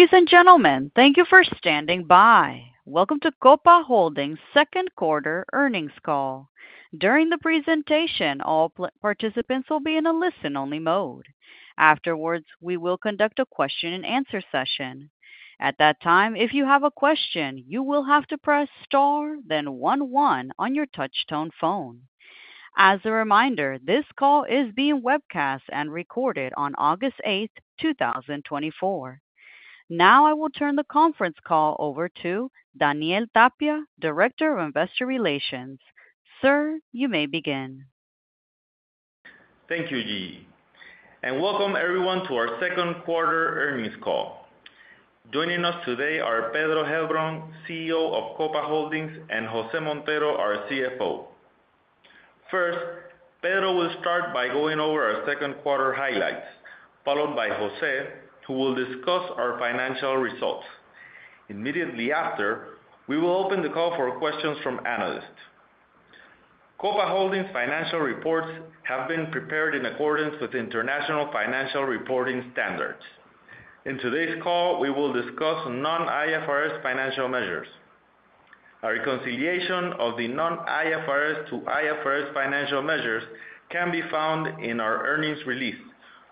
Ladies and gentlemen, thank you for standing by. Welcome to Copa Holdings second quarter earnings call. During the presentation, all participants will be in a listen-only mode. Afterwards, we will conduct a question and answer session. At that time, if you have a question, you will have to press star, then one, one on your touchtone phone. As a reminder, this call is being webcast and recorded on August 8th, 2024. Now, I will turn the conference call over to Daniel Tapia, Director of Investor Relations. Sir, you may begin. Thank you, Jean, and welcome everyone to our second quarter earnings call. Joining us today are Pedro Heilbron, CEO of Copa Holdings, and José Montero, our CFO. First, Pedro will start by going over our second quarter highlights, followed by José, who will discuss our financial results. Immediately after, we will open the call for questions from analysts. Copa Holdings financial reports have been prepared in accordance with International Financial Reporting Standards. In today's call, we will discuss non-IFRS financial measures. A reconciliation of the non-IFRS to IFRS financial measures can be found in our earnings release,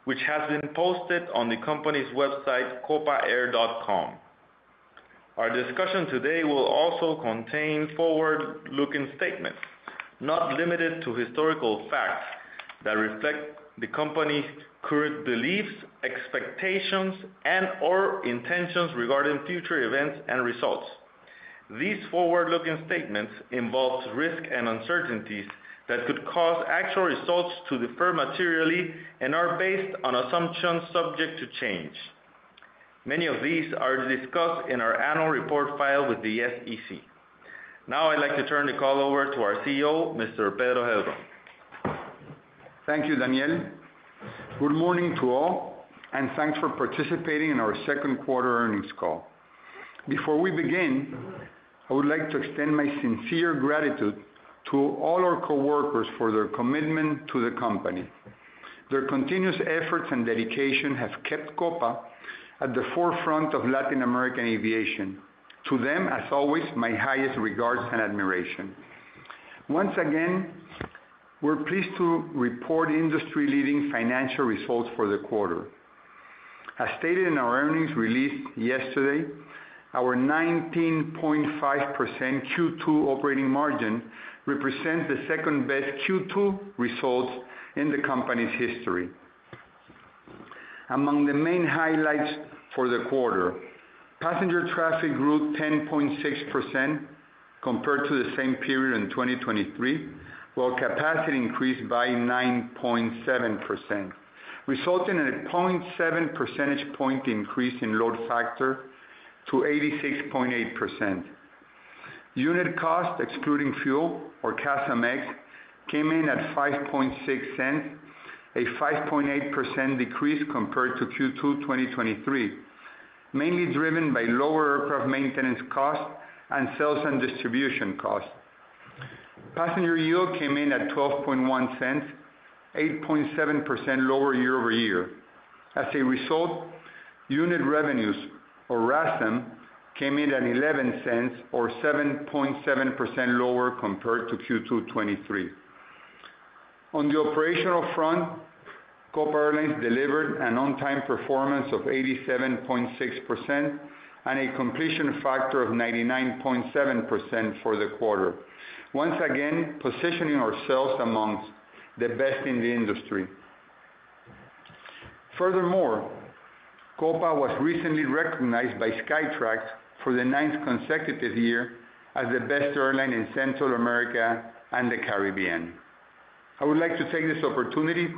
which has been posted on the company's website, copa.com. Our discussion today will also contain forward-looking statements, not limited to historical facts, that reflect the company's current beliefs, expectations, and/or intentions regarding future events and results. These forward-looking statements involves risks and uncertainties that could cause actual results to differ materially and are based on assumptions subject to change. Many of these are discussed in our annual report filed with the SEC. Now, I'd like to turn the call over to our CEO, Mr. Pedro Heilbron. Thank you, Daniel. Good morning to all, and thanks for participating in our second quarter earnings call. Before we begin, I would like to extend my sincere gratitude to all our coworkers for their commitment to the company. Their continuous efforts and dedication have kept Copa at the forefront of Latin American aviation. To them, as always, my highest regards and admiration. Once again, we're pleased to report industry-leading financial results for the quarter. As stated in our earnings release yesterday, our 19.5% Q2 operating margin represents the second-best Q2 results in the company's history. Among the main highlights for the quarter: passenger traffic grew 10.6% compared to the same period in 2023, while capacity increased by 9.7%, resulting in a 0.7 percentage point increase in load factor to 86.8%. Unit cost, excluding fuel or CASM ex-fuel, came in at $0.056, a 5.8% decrease compared to Q2 2023, mainly driven by lower aircraft maintenance costs and sales and distribution costs. Passenger yield came in at $0.121, 8.7% lower year-over-year. As a result, unit revenues, or RASM, came in at $0.11, or 7.7% lower compared to Q2 2023. On the operational front, Copa Airlines delivered an on-time performance of 87.6% and a completion factor of 99.7% for the quarter. Once again, positioning ourselves among the best in the industry. Furthermore, Copa was recently recognized by Skytrax for the ninth consecutive year as the best airline in Central America and the Caribbean. I would like to take this opportunity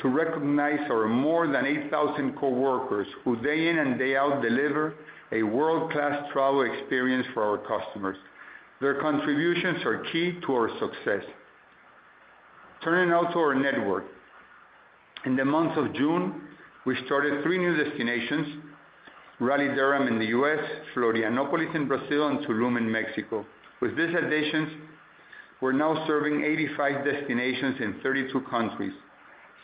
to recognize our more than 8,000 coworkers, who day in and day out, deliver a world-class travel experience for our customers. Their contributions are key to our success. Turning now to our network. In the month of June, we started three new destinations, Raleigh-Durham in the U.S., Florianopolis in Brazil, and Tulum in Mexico. With these additions, we're now serving 85 destinations in 32 countries,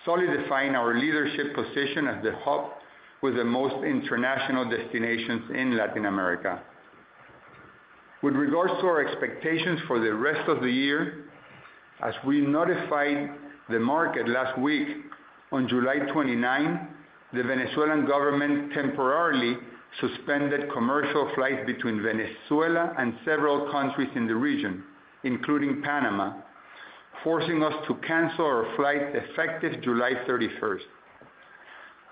solidifying our leadership position as the hub with the most international destinations in Latin America. With regards to our expectations for the rest of the year, as we notified the market last week, on July 29th, the Venezuelan government temporarily suspended commercial flights between Venezuela and several countries in the region, including Panama, forcing us to cancel our flight effective July 31st.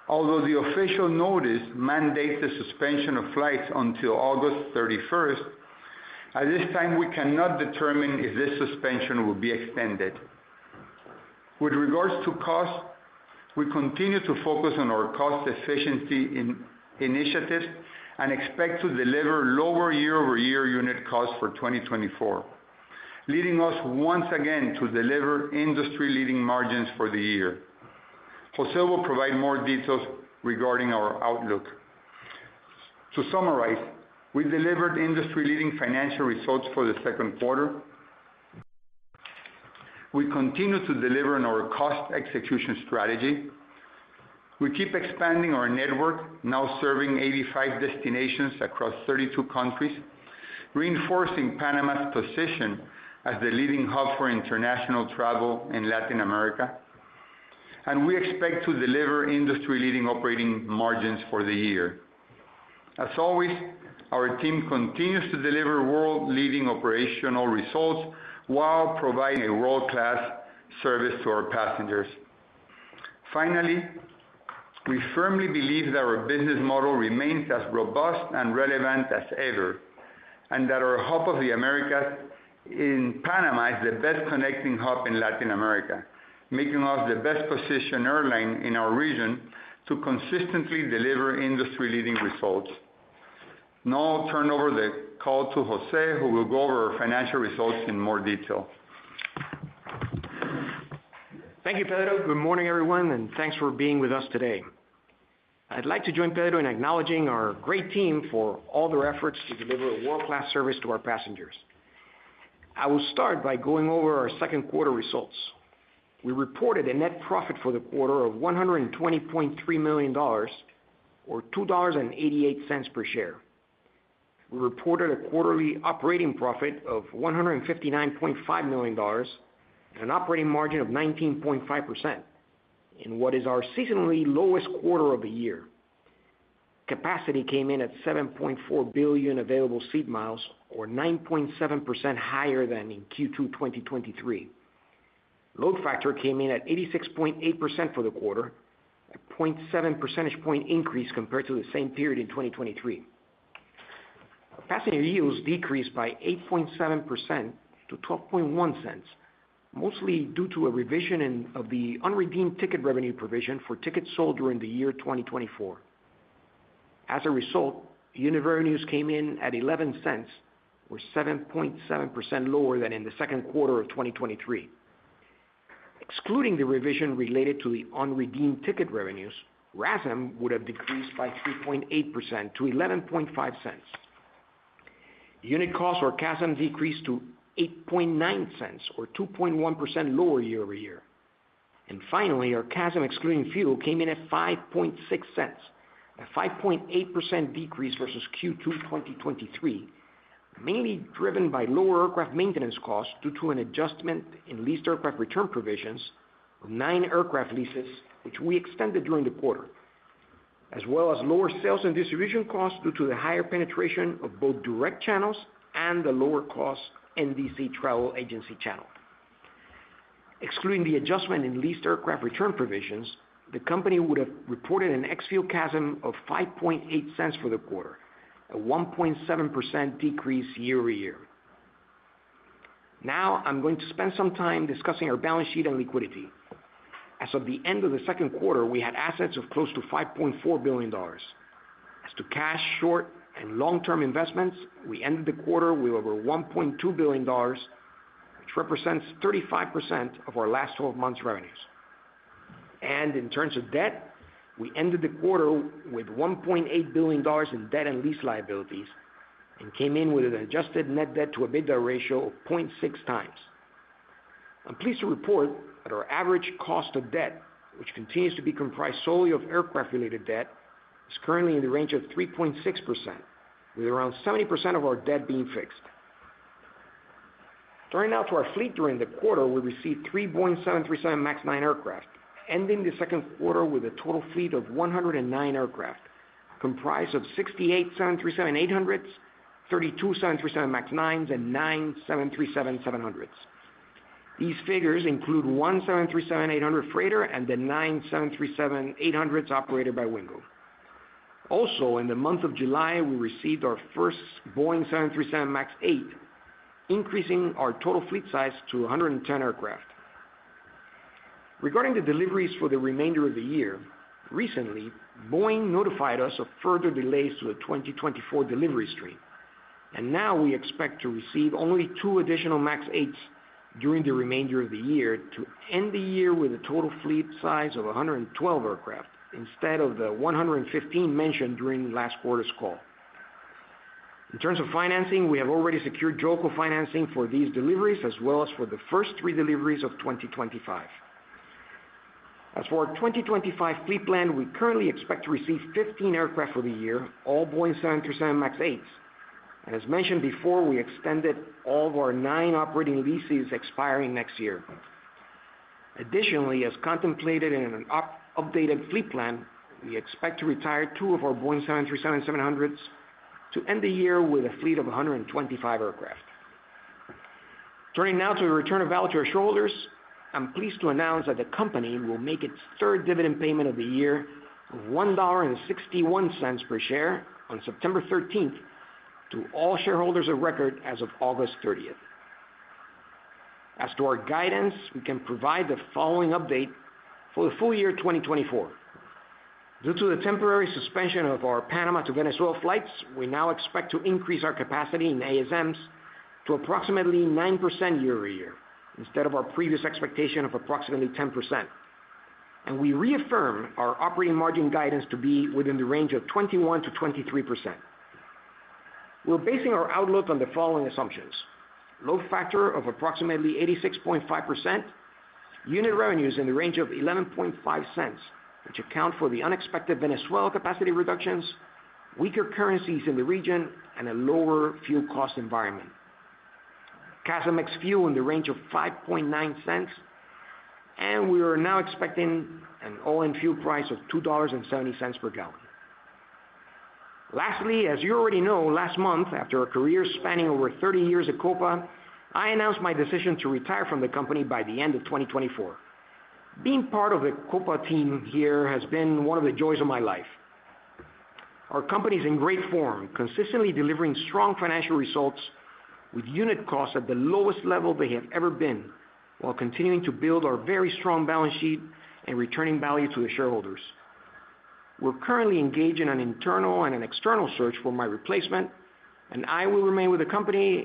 Although the official notice mandates the suspension of flights until August 31st, at this time, we cannot determine if this suspension will be extended. With regards to costs, we continue to focus on our cost efficiency initiatives, and expect to deliver lower year-over-year unit costs for 2024, leading us once again to deliver industry-leading margins for the year. José will provide more details regarding our outlook. To summarize, we delivered industry-leading financial results for the second quarter. We continue to deliver on our cost execution strategy. We keep expanding our network, now serving 85 destinations across 32 countries, reinforcing Panama's position as the leading hub for international travel in Latin America, and we expect to deliver industry-leading operating margins for the year. As always, our team continues to deliver world-leading operational results, while providing a world-class service to our passengers. Finally, we firmly believe that our business model remains as robust and relevant as ever, and that our Hub of the Americas in Panama is the best connecting hub in Latin America, making us the best-positioned airline in our region to consistently deliver industry-leading results. Now I'll turn over the call to José, who will go over our financial results in more detail. Thank you, Pedro. Good morning, everyone, and thanks for being with us today. I'd like to join Pedro in acknowledging our great team for all their efforts to deliver a world-class service to our passengers. I will start by going over our second quarter results. We reported a net profit for the quarter of $120.3 million, or $2.88 per share. We reported a quarterly operating profit of $159.5 million and an operating margin of 19.5%, in what is our seasonally lowest quarter of the year. Capacity came in at 7.4 billion available seat miles, or 9.7% higher than in Q2 2023. Load factor came in at 86.8% for the quarter, a 0.7 percentage point increase compared to the same period in 2023. Passenger yields decreased by 8.7% to $0.121, mostly due to a revision of the unredeemed ticket revenue provision for tickets sold during the year 2024. As a result, unit revenues came in at $0.11, or 7.7% lower than in the second quarter of 2023. Excluding the revision related to the unredeemed ticket revenues, RASM would have decreased by 3.8% to $0.115. Unit costs, or CASM, decreased to $0.089, or 2.1% lower year-over-year. Finally, our CASM excluding fuel came in at $0.056, a 5.8% decrease versus Q2 2023, mainly driven by lower aircraft maintenance costs due to an adjustment in leased aircraft return provisions of nine aircraft leases, which we extended during the quarter, as well as lower sales and distribution costs due to the higher penetration of both direct channels and the lower cost NDC travel agency channel. Excluding the adjustment in leased aircraft return provisions, the company would have reported an ex-fuel CASM of 5.8 cents for the quarter, a 1.7% decrease year-over-year. Now, I'm going to spend some time discussing our balance sheet and liquidity. As of the end of the second quarter, we had assets of close to $5.4 billion. As to cash, short, and long-term investments, we ended the quarter with over $1.2 billion, which represents 35% of our last 12 months' revenues. In terms of debt, we ended the quarter with $1.8 billion in debt and lease liabilities and came in with an adjusted net debt to EBITDA ratio of 0.6x. I'm pleased to report that our average cost of debt, which continues to be comprised solely of aircraft-related debt, is currently in the range of 3.6%, with around 70% of our debt being fixed. Turning now to our fleet. During the quarter, we received three Boeing 737 MAX 9 aircraft, ending the second quarter with a total fleet of 109 aircraft, comprised of 68, 737-800s, 32, 737 MAX 9s, and nine 737-700s. These figures include 1 737-800 freighter and the 9 737-800s operated by Wingo. Also, in the month of July, we received our first Boeing 737 MAX 8, increasing our total fleet size to 110 aircraft. Regarding the deliveries for the remainder of the year, recently, Boeing notified us of further delays to the 2024 delivery stream, and now we expect to receive only two additional MAX 8s during the remainder of the year, to end the year with a total fleet size of 112 aircraft, instead of the 115 mentioned during last quarter's call. In terms of financing, we have already secured JOLCO financing for these deliveries, as well as for the first three deliveries of 2025. As for our 2025 fleet plan, we currently expect to receive 15 aircraft for the year, all Boeing 737 MAX 8s. As mentioned before, we extended all of our nine operating leases expiring next year. Additionally, as contemplated in an updated fleet plan, we expect to retire two of our Boeing 737-700s to end the year with a fleet of 125 aircraft. Turning now to the return of value to our shareholders. I'm pleased to announce that the company will make its third dividend payment of the year of $1.61 per share on September thirteenth, to all shareholders of record as of August thirtieth. As to our guidance, we can provide the following update for the full year 2024. Due to the temporary suspension of our Panama to Venezuela flights, we now expect to increase our capacity in ASMs to approximately 9% year-over-year, instead of our previous expectation of approximately 10%. We reaffirm our operating margin guidance to be within the range of 21%-23%. We're basing our outlook on the following assumptions: load factor of approximately 86.5%, unit revenues in the range of $0.115, which account for the unexpected Venezuela capacity reductions, weaker currencies in the region, and a lower fuel cost environment. CASM ex-fuel in the range of $0.059, and we are now expecting an all-in fuel price of $2.70 per gallon. Lastly, as you already know, last month, after a career spanning over 30 years at Copa, I announced my decision to retire from the company by the end of 2024. Being part of the Copa team here has been one of the joys of my life. Our company is in great form, consistently delivering strong financial results with unit costs at the lowest level they have ever been, while continuing to build our very strong balance sheet and returning value to the shareholders. We're currently engaged in an internal and an external search for my replacement, and I will remain with the company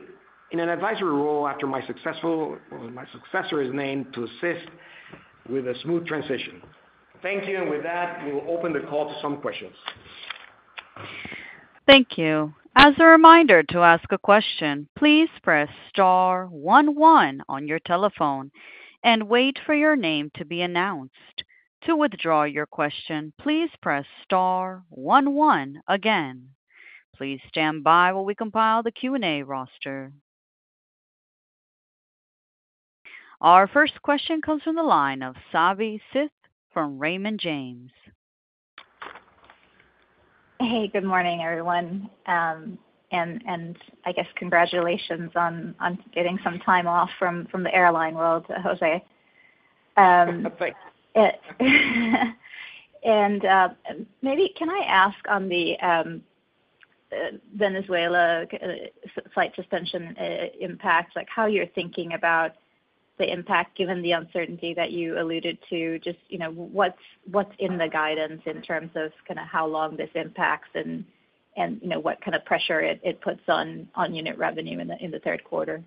in an advisory role after my successor is named, to assist with a smooth transition. Thank you, and with that, we will open the call to some questions. Thank you. As a reminder, to ask a question, please press star one one on your telephone and wait for your name to be announced. To withdraw your question, please press star one one again. Please stand by while we compile the Q&A roster. Our first question comes from the line of Savi Syth from Raymond James. Hey, good morning, everyone. I guess congratulations on getting some time off from the airline world, José. Maybe can I ask on the Venezuela's flight suspension impact, like, how you're thinking about the impact given the uncertainty that you alluded to, just, you know, what's in the guidance in terms of kind of how long this impacts and, you know, what kind of pressure it puts on unit revenue in the third quarter?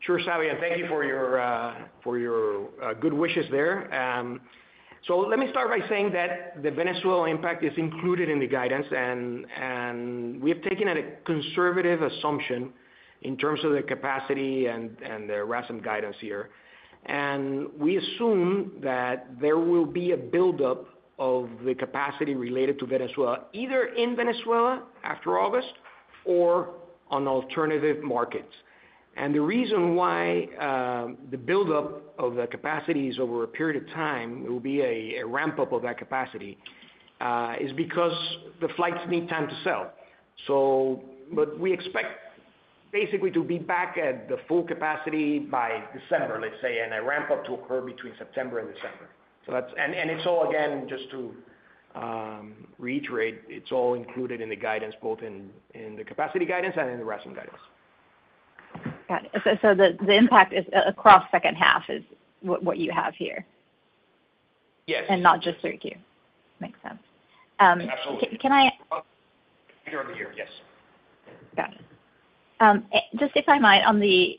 Sure, Savi, and thank you for your, for your, good wishes there. So let me start by saying that the Venezuela impact is included in the guidance, and, and we have taken a conservative assumption in terms of the capacity and, and the RASM guidance here. We assume that there will be a buildup of the capacity related to Venezuela, either in Venezuela after August or on alternative markets. The reason why, the buildup of the capacities over a period of time, it will be a, a ramp-up of that capacity, is because the flights need time to sell. But we expect basically to be back at the full capacity by December, let's say, and a ramp-up to occur between September and December. So, it's all, again, just to reiterate, it's all included in the guidance, both in the capacity guidance and in the RASM guidance. Got it. So, the impact is across second half is what you have here? Yes. Not just third quarter. Makes sense. Absolutely. Can I- Year-over-year, yes. Got it. Just if I might, on the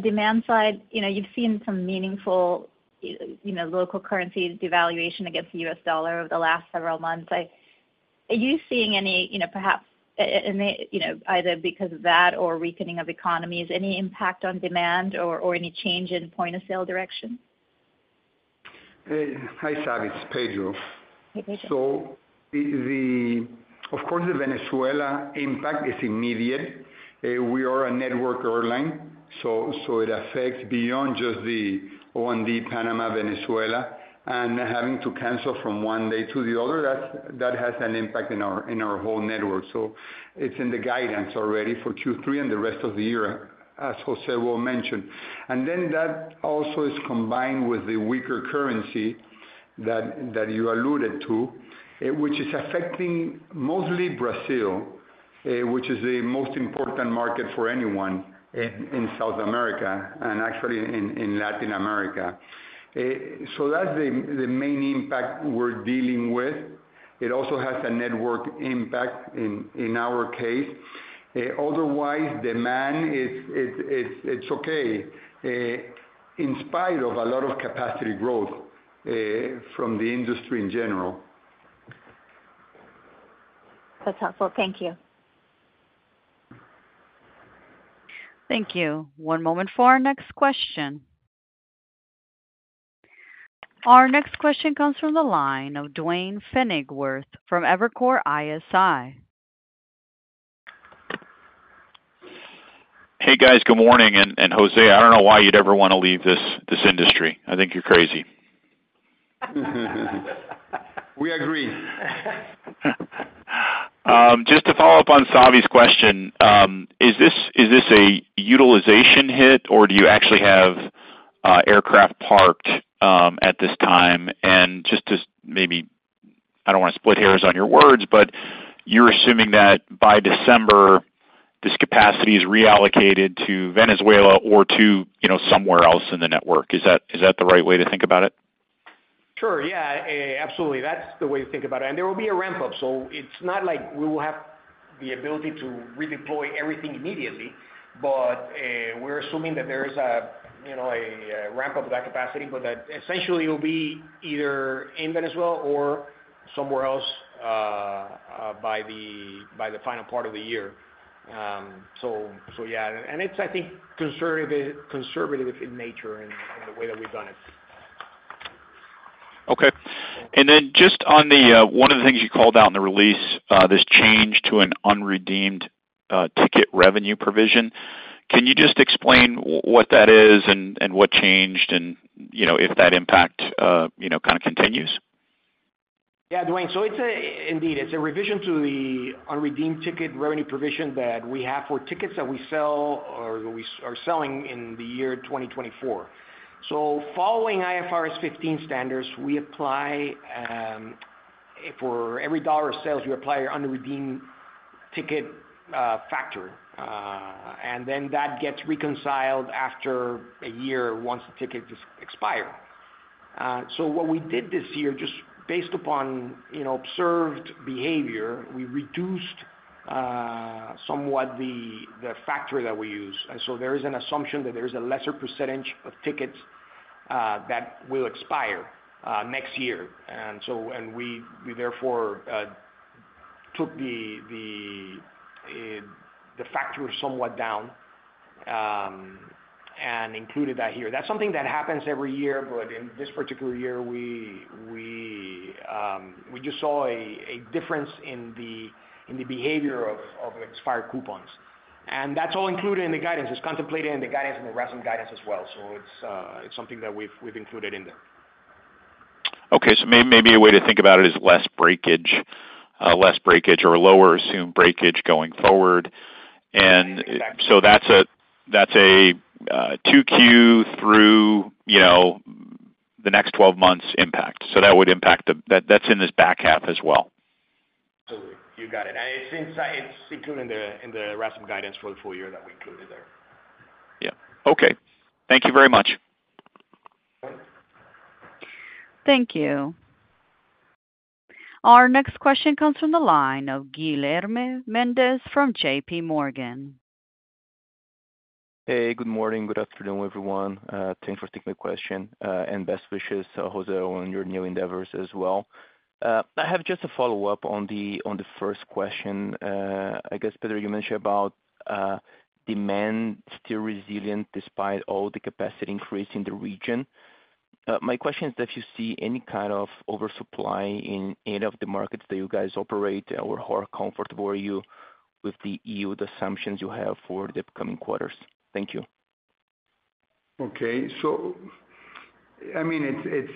demand side, you know, you've seen some meaningful, you know, local currency devaluation against the US dollar over the last several months. Are you seeing any, you know, perhaps, and, you know, either because of that or weakening of economies, any impact on demand or any change in point-of-sale direction? Hi, Savi. It's Pedro. Hey, Pedro. So, of course, the Venezuela impact is immediate. We are a network airline, so it affects beyond just the O&D Panama, Venezuela, and having to cancel from one day to the other, that has an impact in our whole network. So it's in the guidance already for Q3 and the rest of the year, as José well mentioned. And then that also is combined with the weaker currency that you alluded to, which is affecting mostly Brazil, which is the most important market for anyone in South America and actually in Latin America. So that's the main impact we're dealing with. It also has a network impact in our case. Otherwise, demand, it's okay, in spite of a lot of capacity growth from the industry in general. That's helpful. Thank you. Thank you. One moment for our next question. Our next question comes from the line of Duane Pfennigwerth from Evercore ISI. Hey, guys, good morning. And José, I don't know why you'd ever want to leave this industry. I think you're crazy. We agree. Just to follow up on Savi's question, is this a utilization hit, or do you actually have aircraft parked at this time? And just to maybe... I don't want to split hairs on your words, but you're assuming that by December, this capacity is reallocated to Venezuela or to, you know, somewhere else in the network. Is that the right way to think about it? Sure. Yeah, absolutely. That's the way to think about it. And there will be a ramp-up, so it's not like we will have the ability to redeploy everything immediately. But, we're assuming that there is, you know, a ramp-up of that capacity, but that essentially it will be either in Venezuela or somewhere else, by the final part of the year. So yeah, and it's, I think, conservative in nature and in the way that we've done it. Okay. And then just on the one of the things you called out in the release, this change to an unredeemed ticket revenue provision, can you just explain what that is and what changed and, you know, if that impact you know, kind of continues? Yeah, Duane, so it's indeed a revision to the unredeemed ticket revenue provision that we have for tickets that we sell or we are selling in the year 2024. So following IFRS 15 standards, we apply for every dollar of sales, you apply your unredeemed ticket factor. And then that gets reconciled after a year, once the ticket is expired. So what we did this year, just based upon, you know, observed behavior, we reduced somewhat the factor that we use. And so there is an assumption that there is a lesser percentage of tickets that will expire next year. And so we therefore took the factor somewhat down and included that here. That's something that happens every year, but in this particular year, we just saw a difference in the behavior of expired coupons. That's all included in the guidance. It's contemplated in the guidance and the RASM guidance as well. So it's something that we've included in there. Okay. So maybe a way to think about it is less breakage, less breakage or a lower assumed breakage going forward. And- Exactly. So that's a 2Q through, you know, the next 12 months impact. So that would impact that. That's in this back half as well. Absolutely. You got it. And it's inside, it's included in the RASM guidance for the full year that we included there. Yeah. Okay. Thank you very much. Thank you. Our next question comes from the line of Guilherme Mendes from J.P. Morgan. Hey, good morning. Good afternoon, everyone. Thanks for taking the question, and best wishes, José, on your new endeavors as well. I have just a follow-up on the first question. I guess, Pedro, you mentioned about demand still resilient despite all the capacity increase in the region. My question is, if you see any kind of oversupply in any of the markets that you guys operate, or how comfortable are you with the yield assumptions you have for the upcoming quarters? Thank you. Okay. So, I mean, it's...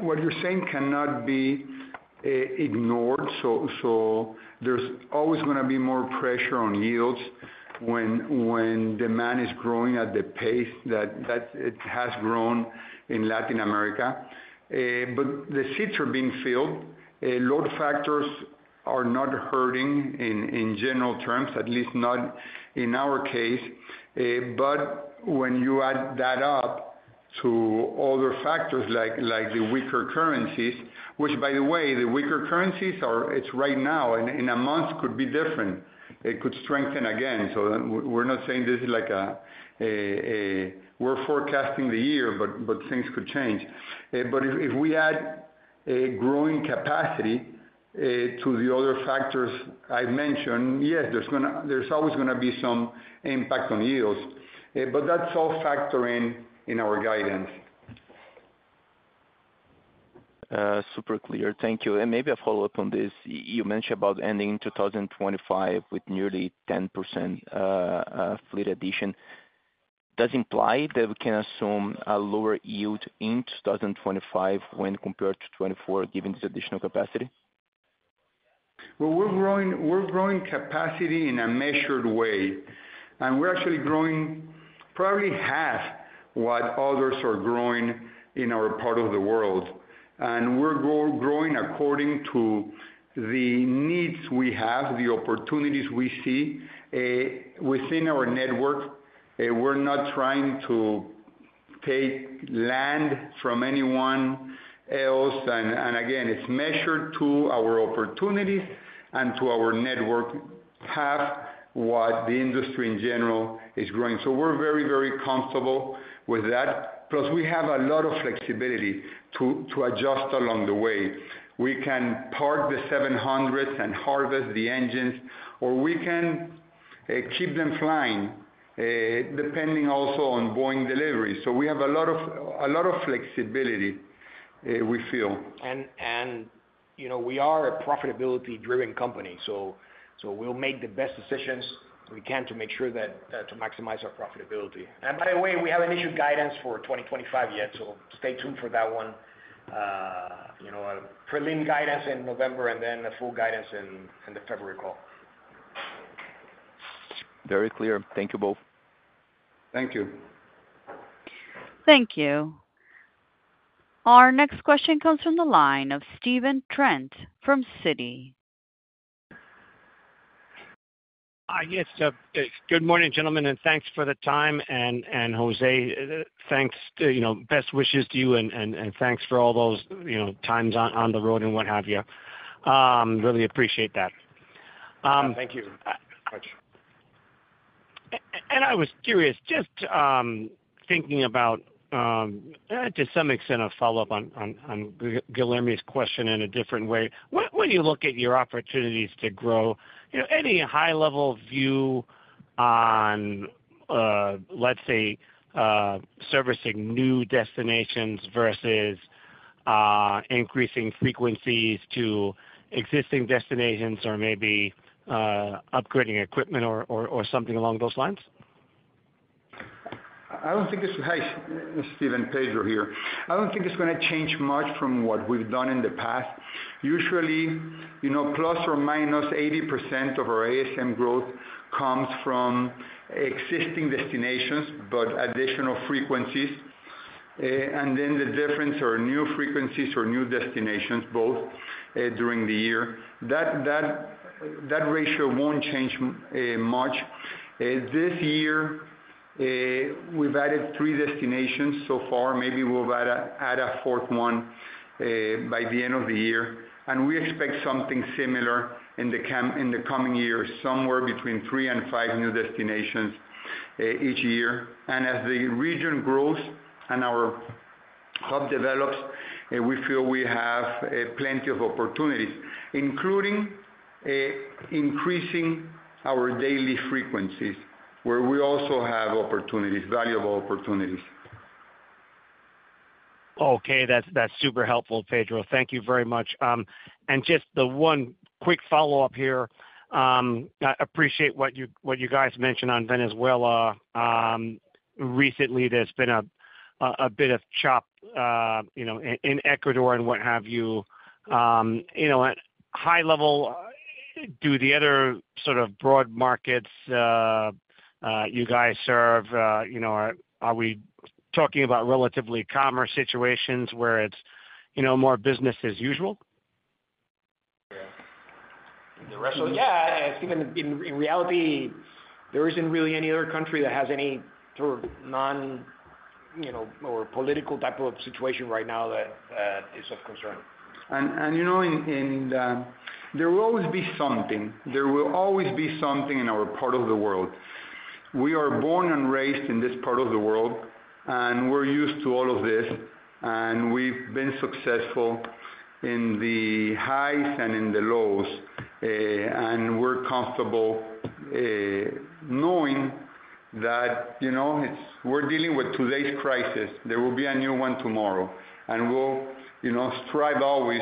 What you're saying cannot be ignored. So there's always going to be more pressure on yields when demand is growing at the pace that it has grown in Latin America. But the seats are being filled, load factors are not hurting in general terms, at least not in our case. But when you add that up to other factors like the weaker currencies, which, by the way, the weaker currencies are - it's right now. In a month, could be different. It could strengthen again. So we're not saying this is like a - we're forecasting the year, but things could change. But if we add a growing capacity to the other factors I mentioned, yes, there's always gonna be some impact on yields, but that's all factoring in our guidance. Super clear. Thank you. And maybe a follow-up on this. You mentioned about ending 2025 with nearly 10% fleet addition. Does it imply that we can assume a lower yield in 2025 when compared to 2024, given this additional capacity? Well, we're growing, we're growing capacity in a measured way, and we're actually growing probably half what others are growing in our part of the world. And we're growing according to the needs we have, the opportunities we see, within our network. We're not trying to take land from anyone else. And again, it's measured to our opportunities and to our network, half what the industry in general is growing. So we're very, very comfortable with that. Plus, we have a lot of flexibility to adjust along the way. We can park the seven hundreds and harvest the engines, or we can keep them flying, depending also on Boeing deliveries. So we have a lot of, a lot of flexibility, we feel. You know, we are a profitability-driven company, so we'll make the best decisions we can to make sure that to maximize our profitability. And by the way, we haven't issued guidance for 2025 yet, so stay tuned for that one. You know, our prelim guidance in November, and then a full guidance in the February call. Very clear. Thank you both. Thank you. Thank you. Our next question comes from the line of Stephen Trent from Citi. Yes, good morning, gentlemen, and thanks for the time. And José, thanks to you, you know, best wishes to you and thanks for all those, you know, times on the road and what have you. Really appreciate that. Thank you very much. ...And I was curious, just thinking about, to some extent, a follow-up on Guilherme's question in a different way. When you look at your opportunities to grow, you know, any high-level view on, let's say, servicing new destinations versus increasing frequencies to existing destinations or maybe upgrading equipment or something along those lines? Hi, Stephen, Pedro here. I don't think it's gonna change much from what we've done in the past. Usually, you know, plus or minus 80% of our ASM growth comes from existing destinations, but additional frequencies, and then the difference are new frequencies or new destinations, both during the year. That ratio won't change much. This year, we've added three destinations so far. Maybe we'll add a fourth one by the end of the year, and we expect something similar in the coming years, somewhere between three and five new destinations each year. And as the region grows and our hub develops, we feel we have plenty of opportunities, including increasing our daily frequencies, where we also have opportunities, valuable opportunities. Okay, that's super helpful, Pedro. Thank you very much. And just the one quick follow-up here. I appreciate what you guys mentioned on Venezuela. Recently, there's been a bit of chop, you know, in Ecuador and what have you. You know, at high level, do the other sort of broad markets you guys serve, you know, are we talking about relatively calmer situations, where it's more business as usual? The rest of- So, yeah, Stephen, in reality, there isn't really any other country that has any sort of non-, you know, or political type of situation right now that is of concern. You know, there will always be something. There will always be something in our part of the world. We are born and raised in this part of the world, and we're used to all of this, and we've been successful in the highs and in the lows, and we're comfortable knowing that, you know, it's. We're dealing with today's crisis, there will be a new one tomorrow. And we'll, you know, strive always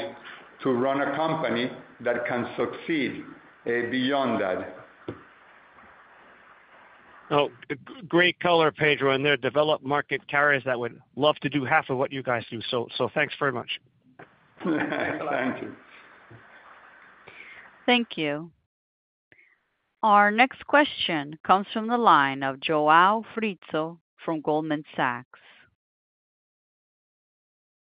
to run a company that can succeed beyond that. Oh, great color, Pedro, and there are developed market carriers that would love to do half of what you guys do, so thanks very much. Thank you. Thank you. Our next question comes from the line of João Frizo from Goldman Sachs.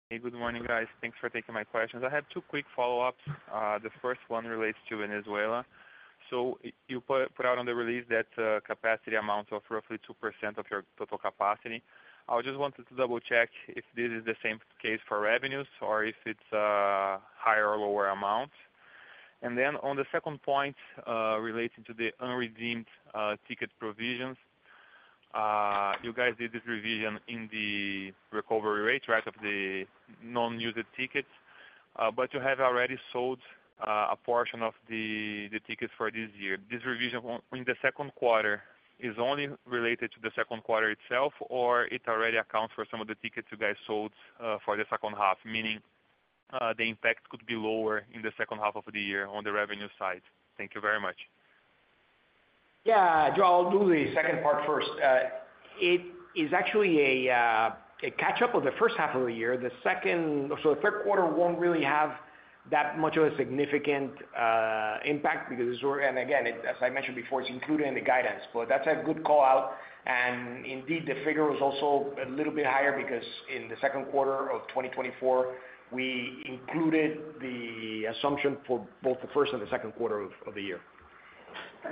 Hey, good morning, guys. Thanks for taking my questions. I have two quick follow-ups. The first one relates to Venezuela. So you put out on the release that capacity amount of roughly 2% of your total capacity. I just wanted to double-check if this is the same case for revenues or if it's a higher or lower amount? And then on the second point, relating to the unredeemed ticket provisions, you guys did this revision in the recovery rate, right, of the non-used tickets, but you have already sold a portion of the tickets for this year. This revision in the second quarter is only related to the second quarter itself, or it already accounts for some of the tickets you guys sold, for the second half, meaning, the impact could be lower in the second half of the year on the revenue side? Thank you very much. Yeah, João, I'll do the second part first. It is actually a catch-up of the first half of the year, the second. So the third quarter won't really have that much of a significant impact because we're - and again, as I mentioned before, it's included in the guidance, but that's a good call-out. And indeed, the figure was also a little bit higher because in the second quarter of 2024, we included the assumption for both the first and the second quarter of the year.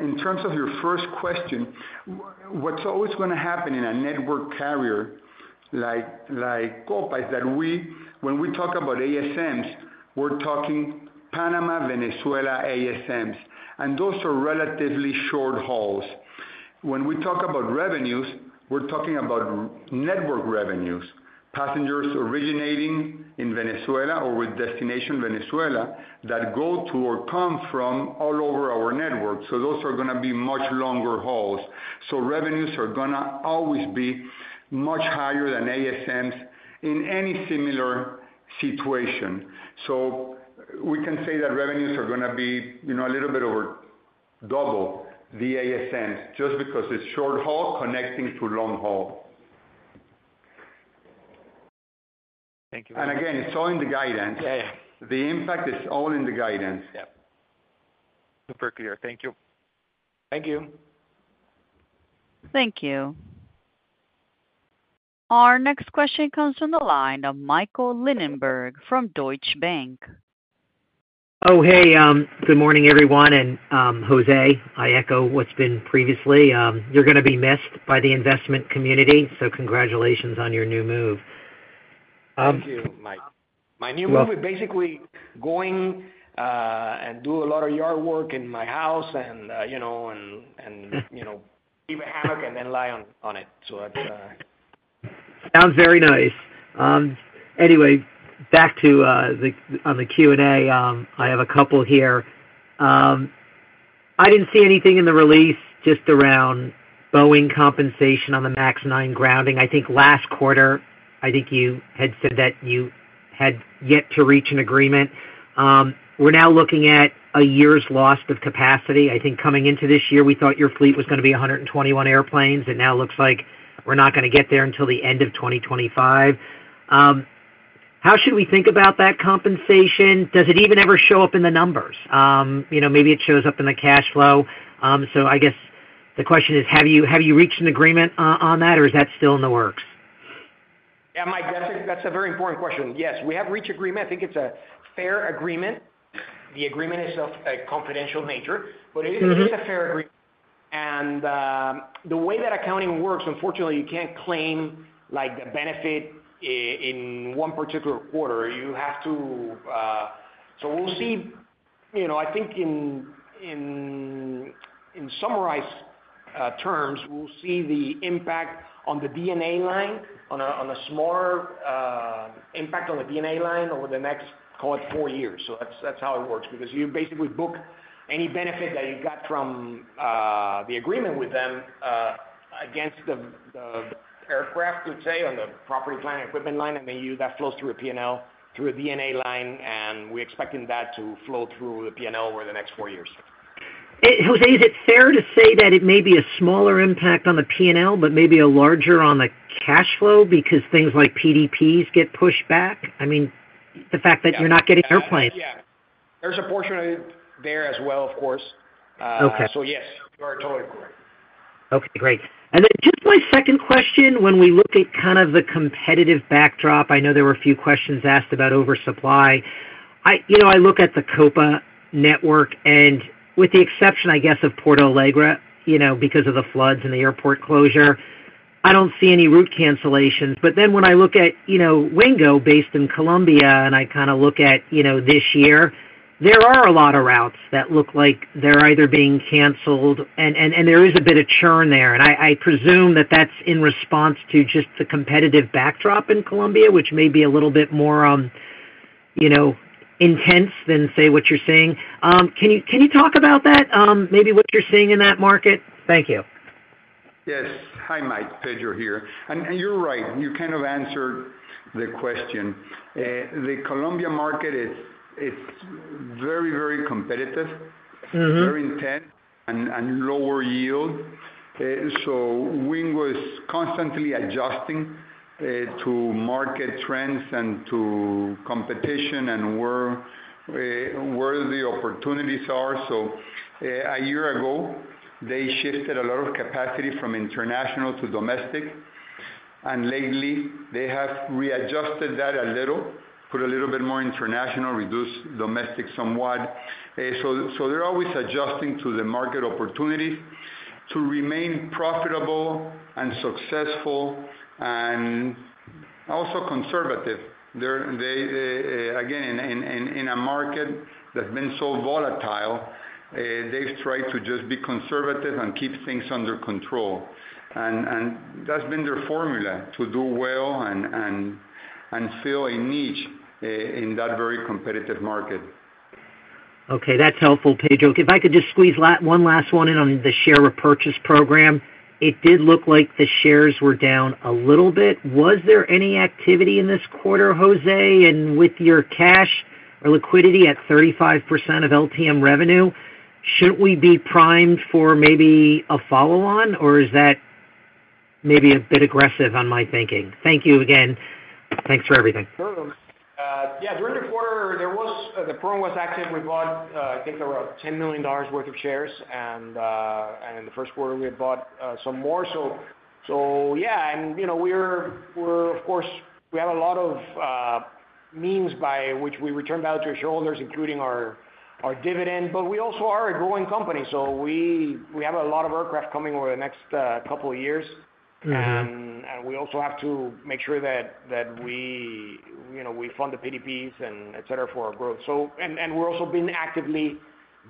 In terms of your first question, what's always gonna happen in a network carrier like Copa is that when we talk about ASMs, we're talking Panama, Venezuela, ASMs, and those are relatively short hauls. When we talk about revenues, we're talking about network revenues, passengers originating in Venezuela or with destination Venezuela, that go to or come from all over our network, so those are gonna be much longer hauls. So revenues are gonna always be much higher than ASMs in any similar situation. So we can say that revenues are gonna be, you know, a little bit over double the ASMs, just because it's short haul connecting to long haul. Thank you very much. Again, it's all in the guidance. Yeah. The impact is all in the guidance. Yeah. Super clear. Thank you. Thank you. Thank you. Our next question comes from the line of Michael Linenberg from Deutsche Bank. Oh, hey, good morning, everyone, and José, I echo what's been previously. You're gonna be missed by the investment community, so congratulations on your new move. ...Thank you, Mike. My new hobby, basically going and do a lot of yard work in my house, and you know, and, and, you know, leave a hammock and then lie on it. So that's- Sounds very nice. Anyway, back to the Q&A, I have a couple here. I didn't see anything in the release just around Boeing compensation on the MAX 9 grounding. I think last quarter, I think you had said that you had yet to reach an agreement. We're now looking at a year's loss of capacity. I think coming into this year, we thought your fleet was gonna be 121 airplanes; it now looks like we're not gonna get there until the end of 2025. How should we think about that compensation? Does it even ever show up in the numbers? You know, maybe it shows up in the cash flow. So I guess the question is, have you, have you reached an agreement on, on that, or is that still in the works? Yeah, Mike, that's a, that's a very important question. Yes, we have reached agreement. I think it's a fair agreement. The agreement is of a confidential nature- But it is a fair agreement, and the way that accounting works, unfortunately, you can't claim like the benefit in one particular quarter, you have to. So we'll see, you know, I think in summarized terms, we'll see the impact on the D&A line, on a smaller impact on the D&A line over the next, call it, four years. So that's how it works, because you basically book any benefit that you got from the agreement with them against the aircraft, let's say, on the property line, equipment line, and then that flows through a P&L, through a D&A line, and we're expecting that to flow through the P&L over the next four years. José, is it fair to say that it may be a smaller impact on the P&L, but maybe a larger on the cash flow because things like PDPs get pushed back? I mean, the fact that you're not getting airplanes. Yeah. There's a portion of it there as well, of course. Okay. Yes, you are totally correct. Okay, great. And then just my second question, when we look at kind of the competitive backdrop, I know there were a few questions asked about oversupply. I, you know, I look at the Copa Network, and with the exception, I guess, of Porto Alegre, you know, because of the floods and the airport closure, I don't see any route cancellations. But then when I look at, you know, Wingo, based in Colombia, and I kind of look at, you know, this year, there are a lot of routes that look like they're either being canceled, and there is a bit of churn there. And I presume that that's in response to just the competitive backdrop in Colombia, which may be a little bit more, you know, intense than, say, what you're seeing. Can you talk about that, maybe what you're seeing in that market? Thank you. Yes. Hi, Mike, Pedro here. And you're right, you kind of answered the question. The Colombia market is, it's very, very competitive- Very intense and lower yield. So Wingo is constantly adjusting to market trends and to competition and where the opportunities are. So, a year ago, they shifted a lot of capacity from international to domestic, and lately they have readjusted that a little, put a little bit more international, reduced domestic somewhat. So they're always adjusting to the market opportunity to remain profitable and successful and also conservative. They're again in a market that's been so volatile, they've tried to just be conservative and keep things under control. And that's been their formula to do well and fill a niche in that very competitive market. Okay, that's helpful, Pedro. If I could just squeeze one last one in on the share repurchase program. It did look like the shares were down a little bit. Was there any activity in this quarter, José? And with your cash or liquidity at 35% of LTM revenue, shouldn't we be primed for maybe a follow-on, or is that maybe a bit aggressive on my thinking? Thank you again. Thanks for everything. Yeah, during the quarter, there was the program was active. We bought, I think there were $10 million worth of shares, and in the first quarter, we had bought some more. So yeah, and you know, we're of course we have a lot of means by which we return value to our shareholders, including our dividend, but we also are a growing company, so we have a lot of aircraft coming over the next couple of years. We also have to make sure that we, you know, fund the PDPs and et cetera for our growth. So, we've also been actively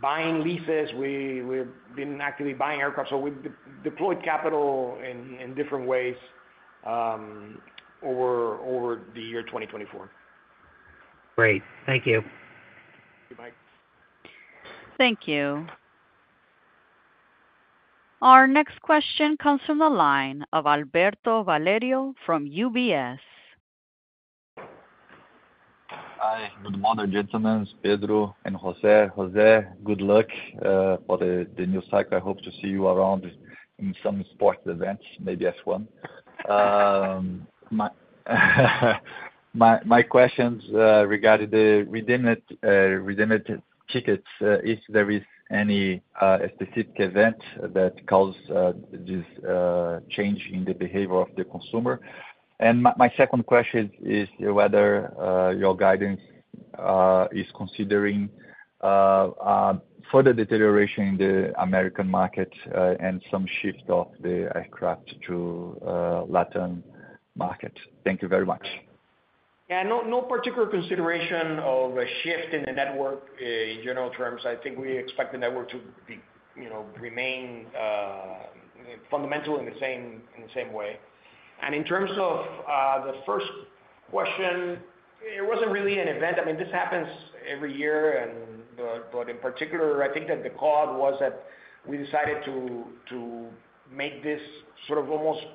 buying leases. We've been actively buying aircraft, so we deployed capital in different ways over the year 2024. Great. Thank you. Bye-bye. Thank you. Our next question comes from the line of Alberto Valerio from UBS. Hi, good morning, gentlemen, Pedro and José. José, good luck for the new cycle. I hope to see you around in some sports events, maybe F1. My questions regarding the unredeemed tickets, if there is any specific event that caused this change in the behavior of the consumer? And my second question is whether your guidance is considering further deterioration in the American market and some shift of the aircraft to Latin market. Thank you very much. Yeah, no, no particular consideration of a shift in the network. In general terms, I think we expect the network to be, you know, remain fundamental in the same, in the same way. And in terms of the first question, it wasn't really an event. I mean, this happens every year and, but in particular, I think that the cause was that we decided to make this sort of almost,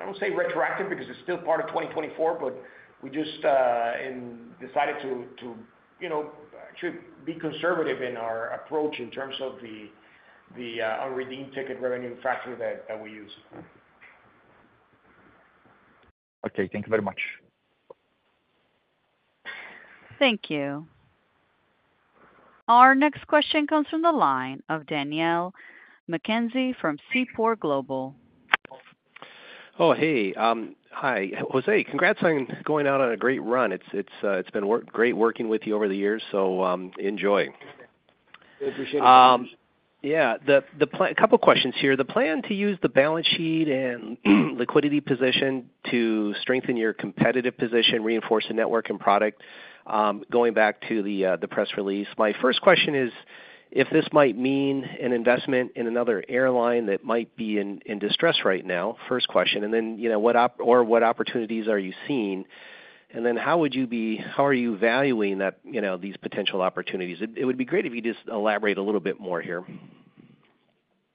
I won't say retroactive, because it's still part of 2024, but we just and decided to, you know, to be conservative in our approach in terms of the unredeemed ticket revenue factor that we use. Okay, thank you very much. Thank you. Our next question comes from the line of Dan McKenzie from Seaport Global. Oh, hey, hi. José, congrats on going out on a great run. It's been great working with you over the years, so enjoy. I appreciate it. Yeah, couple questions here. The plan to use the balance sheet and liquidity position to strengthen your competitive position, reinforce the network and product, going back to the press release. My first question is, if this might mean an investment in another airline that might be in distress right now? First question, and then, you know, what opportunities are you seeing, and then how are you valuing that, you know, these potential opportunities? It would be great if you just elaborate a little bit more here.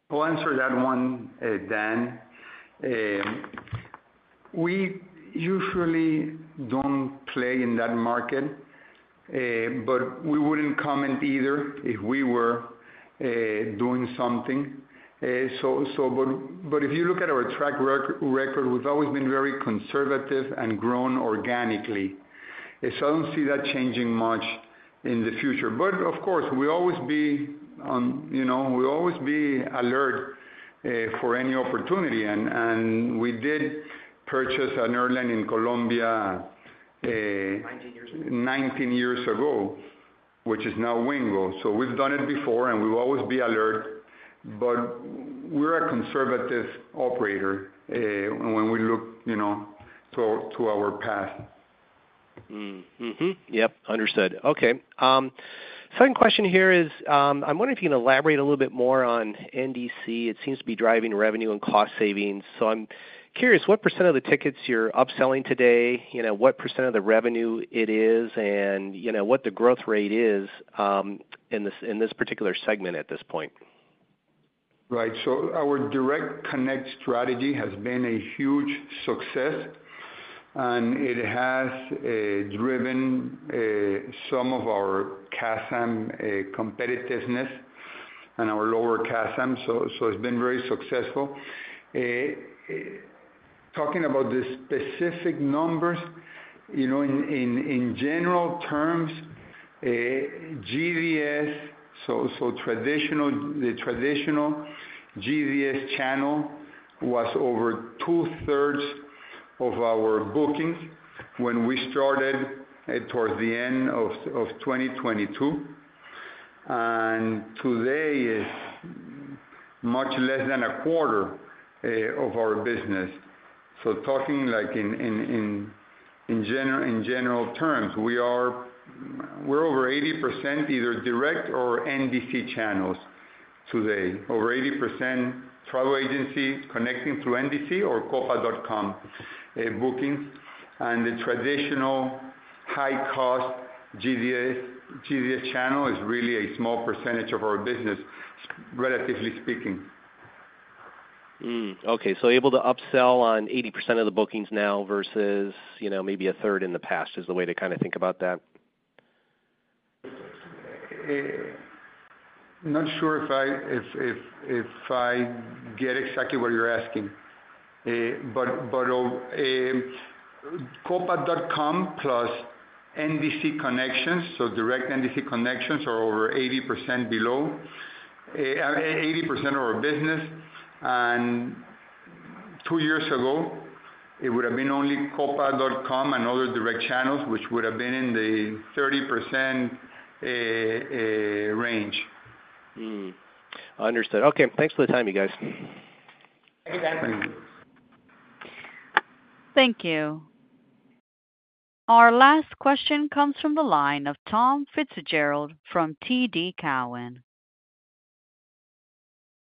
I'll answer that one, Dan. We usually don't play in that market, but we wouldn't comment either if we were doing something. If you look at our track record, we've always been very conservative and grown organically. So I don't see that changing much in the future. But of course, we'll always be on, you know, we'll always be alert for any opportunity, and we did purchase an airline in Colombia. 19 years ago. 19 years ago, which is now Wingo. So we've done it before, and we'll always be alert, but we're a conservative operator, when we look, you know, to, to our path. Yep, understood. Okay, second question here is, I'm wondering if you can elaborate a little bit more on NDC. It seems to be driving revenue and cost savings, so I'm curious what percent of the tickets you're upselling today, you know, what percent of the revenue it is, and you know, what the growth rate is, in this particular segment at this point? Right. So our direct connect strategy has been a huge success, and it has driven some of our CASM competitiveness and our lower CASM, so it's been very successful. Talking about the specific numbers, you know, in general terms, GDS, so traditional—the traditional GDS channel was over two-thirds of our bookings when we started, towards the end of 2022, and today is much less than a quarter of our business. So talking like, in general terms, we're over 80%, either direct or NDC channels today. Over 80% travel agency connecting through NDC or copa.com bookings, and the traditional high-cost GDS channel is really a small percentage of our business, relatively speaking. Okay, so able to upsell on 80% of the bookings now versus, you know, maybe a third in the past, is the way to kind of think about that? Not sure if I get exactly what you're asking, but copa.com plus NDC connections, so direct NDC connections are over 80%. Below 80% of our business. And two years ago, it would've been only copa.com and other direct channels, which would've been in the 30% range. Understood. Okay, thanks for the time, you guys. Thank you, Dan. Thank you. Our last question comes from the line of Tom Fitzgerald from TD Cowen.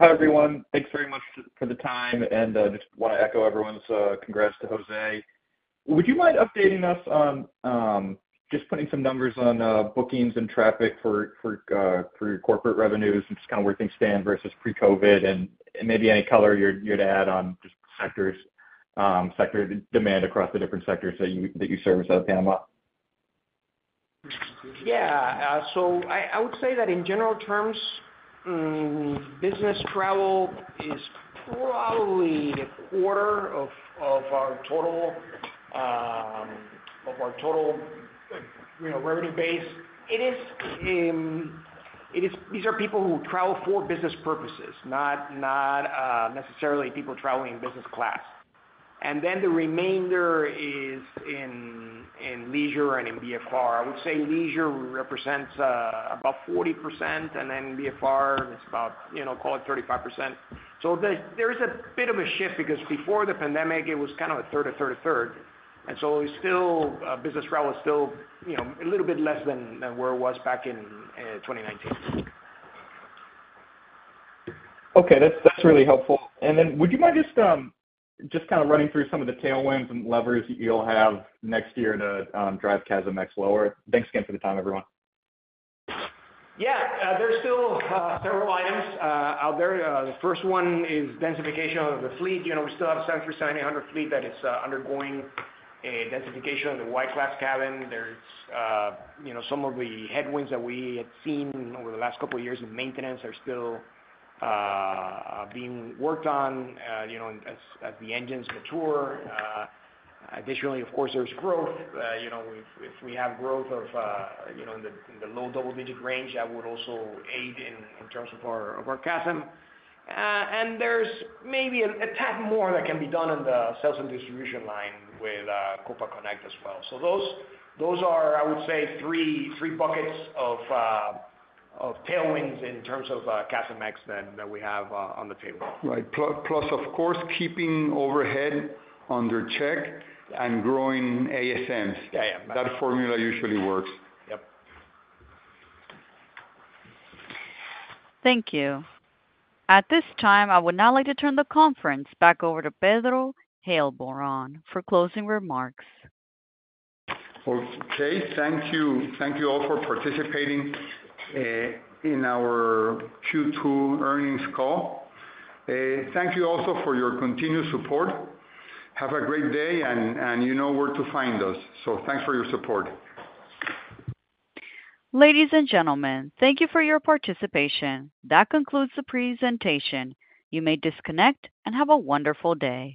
Hi, everyone. Thanks very much for the time, and just want to echo everyone's congrats to José. Would you mind updating us on just putting some numbers on bookings and traffic for your corporate revenues and just kind of where things stand versus pre-COVID, and maybe any color you'd add on just sectors, sector demand across the different sectors that you service out of Panama? Yeah. So I would say that in general terms, business travel is probably a quarter of our total, you know, revenue base. It is these are people who travel for business purposes, not necessarily people traveling business class. Then the remainder is in leisure and in VFR. I would say leisure represents about 40%, and then VFR is about, you know, call it 35%. So there is a bit of a shift because before the pandemic, it was kind of a third, a third, a third. And so it's still business travel is still, you know, a little bit less than where it was back in 2019. Okay, that's, that's really helpful. Then would you mind just, just kind of running through some of the tailwinds and levers you'll have next year to drive CASM ex lower? Thanks again for the time, everyone. Yeah. There's still several items out there. The first one is densification of the fleet. You know, we still have 737-800 fleet that is undergoing a densification of the Y-class cabin. There's you know, some of the headwinds that we had seen over the last couple of years in maintenance are still being worked on, you know, as the engines mature. Additionally, of course, there's growth. You know, if we have growth of you know, in the low double-digit range, that would also aid in terms of our CASM. And there's maybe a tad more that can be done on the sales and distribution line with Copa Connect as well. So those are, I would say, three buckets of tailwinds in terms of CASM ex-fuel that we have on the table. Right. Plus, of course, keeping overhead under check and growing ASMs. Yeah, yeah. That formula usually works. Thank you. At this time, I would now like to turn the conference back over to Pedro Heilbron for closing remarks. Okay. Thank you. Thank you all for participating in our Q2 earnings call. Thank you also for your continued support. Have a great day, and you know where to find us. Thanks for your support. Ladies and gentlemen, thank you for your participation. That concludes the presentation. You may disconnect and have a wonderful day.